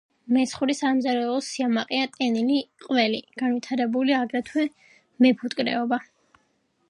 მესხური სამზარეულოს სიამაყეა ტენილი ყველი. განვითარებულია აგრეთვე მეფუტკრეობა.